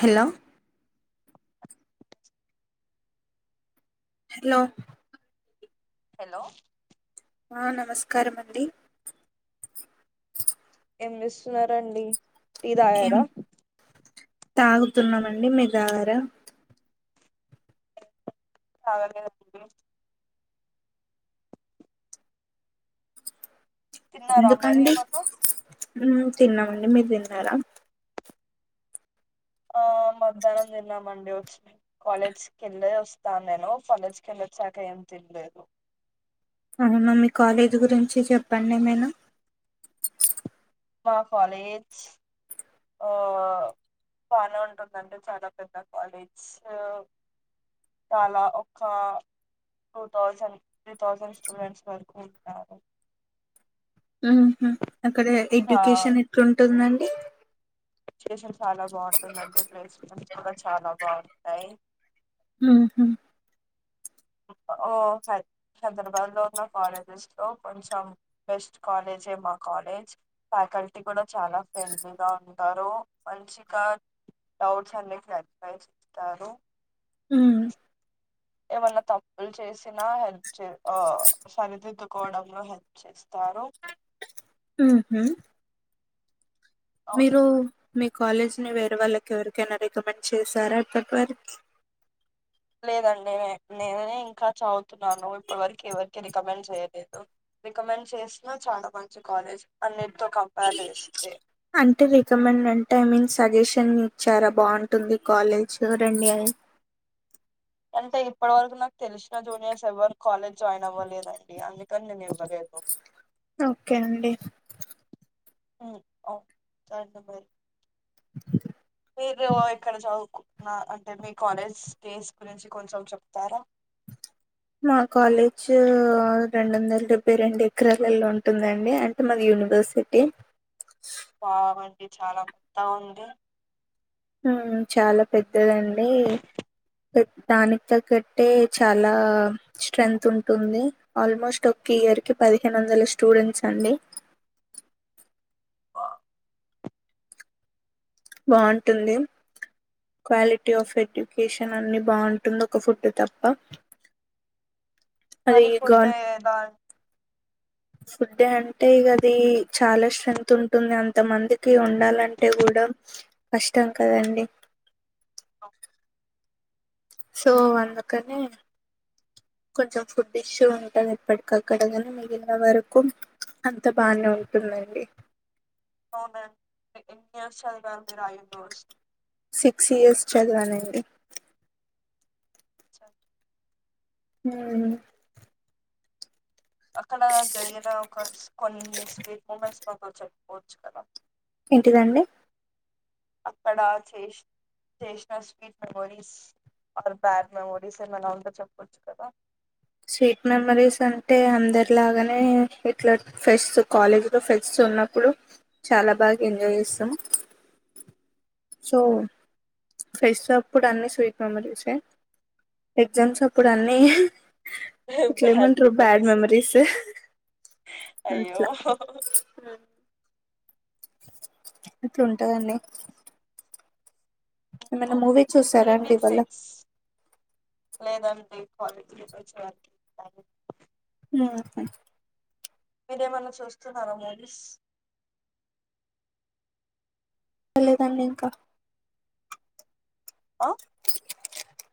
Hello hello hello ఆ నమస్కారం అండి ఏం చేస్తున్నారండి టీ ఏం తాగారా తాగుతున్నామండి మీరు తాగారా తాగలేదు అండి తిన్నారా మరి ఏమన్నా ఉమ్ తిన్నామండి మీరు తిన్నారా ఆ మధ్యాహ్నం తిన్నామండి వచ్చి కాలేజీకి వెళ్లి వస్తాను నేను కాలేజీకి వెళ్లి వచ్చాక ఏం తినలేదు అవునా మీ కాలేజీ గురించి చెప్పండి మేను మా కాలేజ్ ఆ బానే ఉంటుందండి చాలా పెద్ద కాలేజ్ చాలా ఒక two thousand three thousand students వరకు ఉంటారు ఉహు అక్కడ ఆ ఎడ్యుకేషన్ ఎట్లుంటుందండి ఎడ్యుకేషన్ చాలా బాగుంటుందండీ ప్లేస్మెంట్స కూడా చాలా బాగుంటాయి ఉహు ఓ హైదరాబాద్ లో ఉన్న కాలేజెస్ లో కొంచెం బెస్ట్ కాలేజ్ మా కాలేజ్ ఫ్యాకల్టీ కూడా చాలా ఫ్రెండ్లీగా ఉంటారు మంచిగా డౌట్స్ అన్ని క్లారిఫై చేస్తారు ఉ ఏమన్నా తప్పులు చేసినా హెల్ప్ చే ఆ సరిదిద్దుకోవడంలో హెల్ చేస్తారు మ్ హు అవును. మీరు మీ కాలేజ్ ని వేరే వాళ్ళకి ఎవరికైనా రికమెండ్ చేశారా ఇప్పటి వరకు లేదండి నేనే ఇంకా చదువుతున్నాను ఇప్పటి వరకు ఎవరికి రికమెండ్ చేయలేదు రికమెండ్ చేసినా చాలా మంచి కాలేజ్ అన్ని అంటే రికమెండ్ అంటే ఐ మీన్ సో సజెషన్ ఇచ్చారా బాగుంటుంది కాలేజ్ రండి అని అంటే ఇప్పటి వరకు నాకు తెలిసిన జూనియర్స్ ఎవ్వరు కాలేజ్ జాయిన్ అవ్వలేదండి అందుకని నేను ఇవ్వలేదు ఒకే అండి [unintelligible] మీరు ఎక్కడ చదువుకున్న అంటే మీ కాలేజ్ డేస్ గురించి కొంచెం చెప్తారా మా కాలేజ్ రెండు వందల డెబ్బై రెండు ఎకరాలలో ఉంటుందండి అంటే మాది యూనివర్సిటీ వావ్ అండి చాలా పెద్దగా ఉంది చాలా పెద్దదండి దానికి తగ్గట్టే చాలా స్ట్రెంత్ ఉంటుంది ఆల్మోస్ట్ ఒక ఇయర్ కి పదిహేను వందల స్టూడెంట్స్ అండి బాగుంటుంది క్వాలిటీ ఆఫ్ ఎడ్యుకేషన్ అన్ని బాగుంటుంది ఒక ఫుడ్ తప్ప అది మరి ఫుడ్ గవర్నమెంట్ ఏదా ఫుడ్ అంటే అది చాలా స్ట్రెంత్ ఉంటుంది అంతమందికి ఉండాలంటే కూడా కష్టం కదా అండి సో అందుకనే కొంచెం ఫుడ్ ఇష్యూ ఉంటుంది ఇప్పటిక అక్కడగానే మిగిలిన వరకు అంత బానే ఉంటుందండి అవునా ఎన్ని ఇయర్స్ చదివావు సిక్స్ ఇయర్స్ చదివాను [inaudible] హు అక్కడ జరిగిన ఒక కొన్ని స్వీట్ మూమెంట్స్ మాతో చెప్పుపోవచ్చు కదా ఏంటిదండి అక్కడ చే చేసిన స్వీట్ మెమోరీస్ ఆ బ్యాడ్ మెమోరీస్ మ ఉ చెప్పుచ్చు కదా స్వీట్ మెమరీస్ అంటే అందరిలాగానే ఇట్లా ఫ్రెస్ట్స్ కాలేజీలో ఫ్రెష్స్ ఉన్నప్పుడు చాలా బాగా ఎంజాయ్ చేస్తాం సో ఫ్రెష్స్ అప్పుడు అన్ని స్వీట్ మెమరీసే ఎగ్జామ్స్ అప్పుడు అన్నీ బ్యాడ్ పేపర్ స అయ్యో అట్లా అట్లుంటందండి ఏమనా అవునా మూవీ చూసారా మరి అండి ఇవాళ లేదండి కాలేజీ కూడా చడానికి ఇ ఆ సా మీరేమన్నా చూస్తున్నారా మూవీస్ తెలిదండి ఇంకా ఆ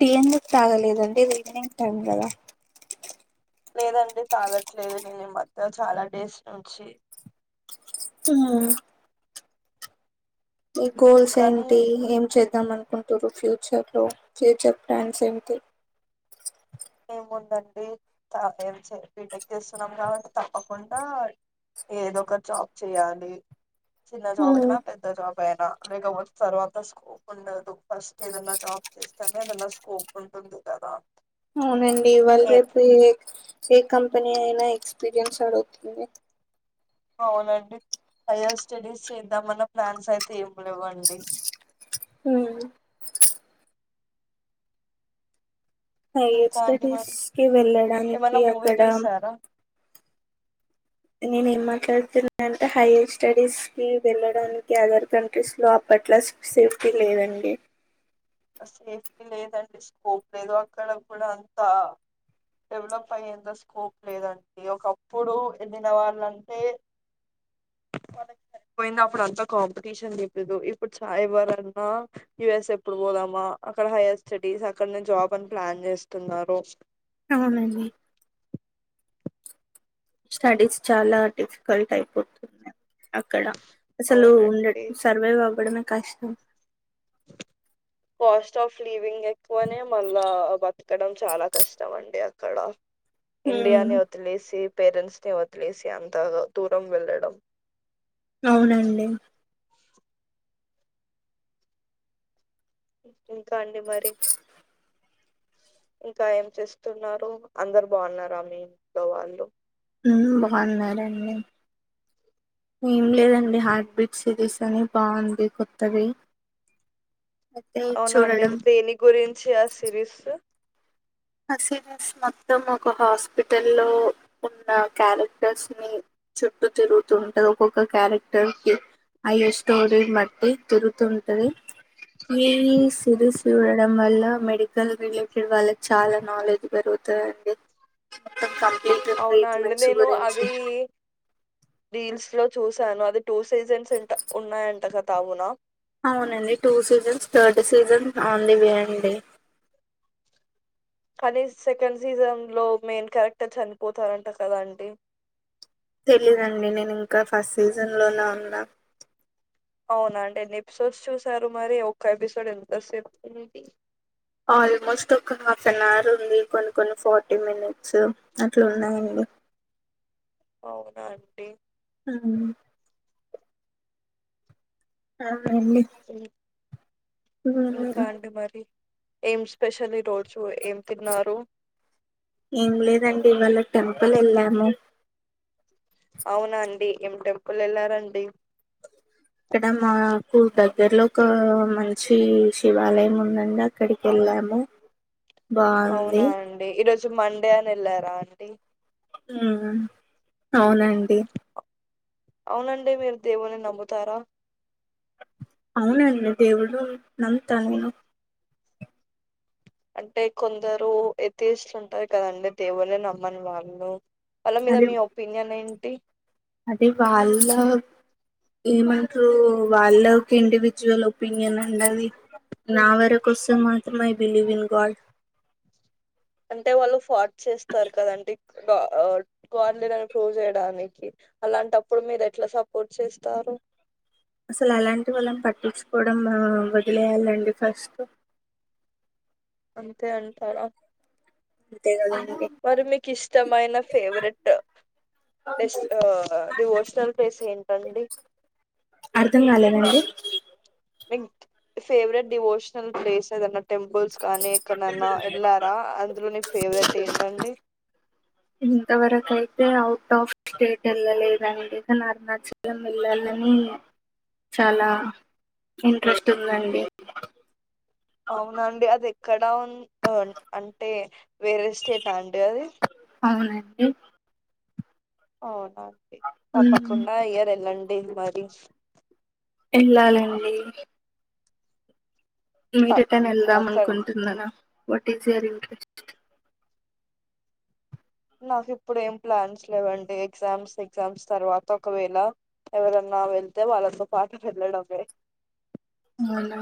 టీం బుక్ తాగలేదండి ఈవినింగ్ టైమ్ దదా లేదండి తాగట్లేదు నేను ఈ మధ్య చాలా డేస్ నుంచి ఆ ఈ గోల్స్ కానీ ఏంటి ఏం చే అనుకుంటుారు ఫ్యూచర్ లో ఫ్యూచర్ ప్లాన్స్ ఏమి ఏముందండి ఏం బిటెక్ చేస్తున్నాం కాబట్టి తప్పకుండా ఏదో ఒక జాబ్ చేయాలి చి చాప ఉమ్ ఎనా పద్ద చాప పైనా లేకపోతే తర్వాత స్కూప్ ఉండదు ఫస్ట్ ఏదన్నా జాబ్ చేస్ తమేదలా స్కోప్ ఉంటుంది కదా అవునండి వాళ్లు ఏ రేపు ఏ కంపెనీ ఏదయినా ఎక్స్పీరియన్స్ అడుగుతుంది అవునండి హైయర్ స్టడీస్ చేద్దామన్న ప్లాన్స్ అయితే ఏం లెవ్వండి ఉమ్ హైయర్ ఇంకా అండి స్టడీస్ మరి కి వెళ్ళడానికి ఏమన్నా మూవీ అక్కడ చూసారా నేను ఏం మాట్లాడుతున్నాంటే హైయర్ స్టడీస్ కి వెళ్ళడానికి అదర్ కంట్రీస్ లో అప్పట్లా సేఫ్టీ లేదండి సేఫ్టీ లేదండి స్కోప్ లేదు అక్కడ కూడా అంత డెవలప్ అయ్యేంత స్కోప్ లేదండి ఒకప్పుడు ఎళ్ళిన వాళ్లంటే వాళ్ళకి సరిపోయింది అప్పుడు అంత కాంపిటీషన్ లేదు ఇప్పుడు చాయిబర్ అన్నా యుఎస్ ఎప్పుడు పోదాం మా అక్కడ హైయర్ స్టడీస్ అక్కడనే జాబ్ అని ప్లాన్ చేస్తున్నారు అవునండి స్టడీస్ చాలా డిఫికల్ట్ అయిపోతుంది అక్కడ అసలు ఉండ అవునండి సర్వైవ్ అవ్వడమే కష్టం కాస్ట్ ఆఫ్ లివింగ్ ఎక్కువనే మళ్ళా బతకడం చాలా కష్టం అండి అక్కడ ఉమ్ ఇండియానేే వదిలేసి పేరెంట్స్ ని వదిలేసి అంత గా దూరం వెళ్ళడం అవునండి ఇంకా అండి మరి ఇంకా ఏం చేస్తున్నారు అందరు బాగున్నారా మీ ఇంట్లో వాళ్ళు మ్మ్ బాగున్నారండి మీన్ లేదండి హార్ట్ బీట్ సిరీస్ అని బాగుంది కొత్తది అయితే అవునండి చూడడం దేని గురించి ఆ సిరీస్ ఆ సిరీస్ మొత్తం ఒక హాస్పిటల్ లో ఉన్న క్యారెక్టర్స్ ని చుట్టూ తిరుగుతుంటది ఒక్కొక్క క్యారెక్టర్ కి అయ్యే స్టోరీని బట్టి తిరుతుంటది ఈ సిరీస్ చూడడం వల్ల మెడికల్ రిలేటెడ్ వాళ్ళక్ చాలా నాలెడ్జ్ పెరుగుతాయండి ఇంకికం అవునా అండి నేను అది రీల్స్ లో చూసాను అది టూ సీజన్స్ అంట ఉన్నాయంట కదా అవునా అవునండి two seasons third season only బీ అండి కానీ సెకండ్ సీజన్ లో మెయిన్ క్యారెక్టర్ చనిపోతారంట కదా అండి తెలీదండి నేను ఇంకా ఫస్ట్ సీజన్ లోనే ఉన్నా అవునా అండి ఎన్ని ఎపిసోడ్స్ చూసారు మరి ఒక్క ఎపిసోడ్ ఎంత సేపుంది ఆల్మోస్ట్ ఒక హాఫ్ అన్ అవర్ ఉంది కొన్ని కొన్ని ఫార్టీ మినిట్స్ అట్లా ఉన్నాయండి అవునా అండి ఊమ్ అ అండి ఇం- ఇంకా మ్మ్ అండి మరి ఏం స్పెషల్ ఈ రోజు ఏం తిన్నారు ఏం లేదండి ఇవాళ టెంపుల్ ఏళ్ళాము అవునా అండి ఏం టెంపుల్ ఏళ్లారండి. ఇక్కడ మాకు దగ్గర్లో ఒక మంచి శివాలయం ఉందండి అక్కడికి ఏళ్ళాము అవునా అండి ఈరోజు మం డే అని ఏల్లరా ఆంటీ అవునండి అవునండి మీరు దేవున్నీ నమ్ముతారా అవునండి దేవుడు నమ్ముతను అంటే కొందరు ఎత్తేస్తుంటారు కదండి దేవుల్లని నమ్మని వాళ్ళు వాళ్ళ మీద అదే మీ ఒపీనియన్ ఏం టి అదే వాళ్ళ ఏమంటారు. వాళ్ళకి ఇండివిజువల్ ఒపీనియన్ అండి ఆది నా వరకు వస్తే మాత్రం ఐ బిలీవ్ ఇన్ గాడ్ అంటే వాళ్ళు ఫార్ట్ చేస్తారు. కదండి గా ఆ గాడ్ లేదని ప్రూవ్ చేయడానికి అలాంటప్పుడు మీరు ఎట్లా సపోర్ట్ చేస్తారు. అసలు అలాంటి వాళ్ళని పట్టిచ్చు కోవడం వదిలేయాలండి ఫస్ట్ అంతే అంటారా అంతే కదండి మరి మీకు ఇష్టమైన ఫేవరెట్ డెస్ట్ డేవోషనల్ ప్లేస్ ఏంటండి ఇ మీ ఫేవరెట్ డివోషనల్ ప్లేస్ ఏదన్న టెంపుల్స్ కానీ ఎక్కనన్నా ఎళ్లారా అందులో నీ ఫేవరెట్ ఏంటండి. ఇంతవరకు అయితే అవుట్ ఆఫ్ స్టేట్ ఏళ్ళలేదండి. కానీ అరుణాచలం వెళ్లా లని చాలా ఇంట్రెస్ట్ ఉందండి. అవునండి. అది ఎక్కడా ఉ అంటే వేరే స్టేట అండి అది అవునండి ఆ అండి మ్మ్. తప్పకుండా ఇయర్ ఏల్లండి కే మరి ఎల్లాలండి మీరే త- టన్న ఏళ్దాం అక్కడ అనుకుంటున్నరా వాట్ ఇజ యువర్ ఇంట్రెస్ట్ నాకు ఇప్పుడు ఏం ప్లాన్స్ లేవండి. ఎగ్జామ్స్ ఎగ్జామ్స్ తర్వాత ఒకవేళ ఎవరన్నా వెళ్తే వాళ్ళతో పాటు వెళ్ళడమే మన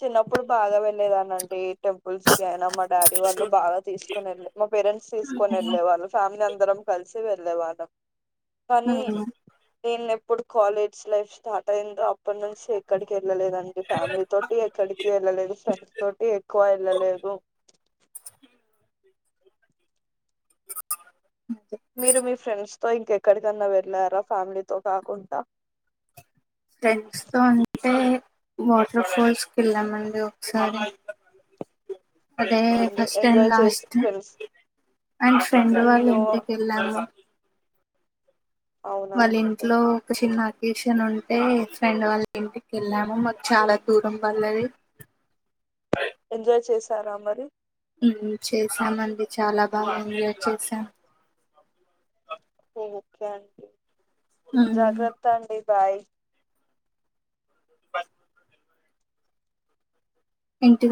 చిన్నప్పుడు బాగా వెళ్లేదాన్ని అండి టెంపుల్స్ కి అయిన మా డాడీ వాళ్ళు బాగా తీసుకొని ఏళ్లే మా పేరెంట్స్ తీసుకొని ఏళ్ళే వాళ్ళు ఫ్యామిలీ అందరం. కలిసి వేల్ ల్లేవాల్లం కానీ ఏం లె ఇప్పుడు కాలేజ్ లైఫ్ స్టార్ట్ అయిందో అప్పటి నుంచి ఎక్కడికి ఏళ్ ళ్ళలేదండి ఫ్యామిలీ తోటి ఎక్కడికి ఏళ్ళలేదు. ఫ్రెండ్స్ తోటి ఎక్కువ ఏళ్ళలేదు. మీరు మీ ఫ్రెండ్స్ తో ఇంకె ఇక్కడికన్నా వెళ్ళారా ఫ్యామిలీతోకాకుండా స్టెస్ త అంటే వాటర్ ఫాల్స్ క వెళ్ళామండి ఒకసారి అదే అవునండి ఫస్ట్ అండ్ ఎంజాయ్ చేసి లాస్ట్ ఫ్రెండ్స్ అండ్ ఫ్రెండ్ వాళ్ళు అయ్యో ఇంటికి వెళ్ళాము అవునా వాళ్ళ అండి ఇంట్లో ఒక చిన్న వెకేషన్ ఉంటే ఫ్రెండ్ వాళ్ళ ఇంటికి వెళ్ళాము మాకు చాలా దూరం వళ్లది ఎంజాయ్ చేసారా మరి చేసామ అండి చాలా బాగా ఎంజాయ్ చేసాం ఓకేం జాగ్రత్తతా అండి బాయ్ బస్ ఎంటి మ